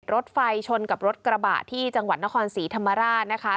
รถไฟชนกับรถกระบะที่จังหวัดนครศรีธรรมราชนะคะ